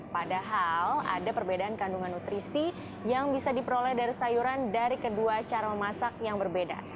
padahal ada perbedaan kandungan nutrisi yang bisa diperoleh dari sayuran dari kedua cara memasak yang berbeda